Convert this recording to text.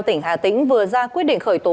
tỉnh hà tĩnh vừa ra quyết định khởi tố